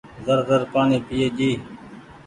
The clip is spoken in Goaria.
زر زر پآڻيٚ پئي ڇي۔